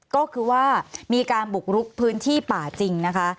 ก็คือว่ามีการบุกรุกพื้นที่ป่าจริงนะคะ